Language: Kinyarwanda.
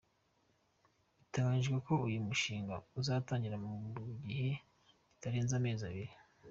Biteganyijwe ko uyu mushinga uzatangira mu gihe kitarenze amezi abiri .